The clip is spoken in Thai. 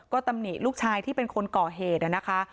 ก็ตำหนิลูกชายที่เป็นคนก่อเหตุนะคะ